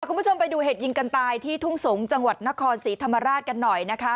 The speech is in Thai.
คุณผู้ชมไปดูเหตุยิงกันตายที่ทุ่งสงศ์จังหวัดนครศรีธรรมราชกันหน่อยนะคะ